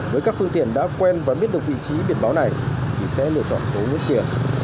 với các phương tiện đã quen và biết được vị trí biển báo này thì sẽ lựa chọn tố mất tiền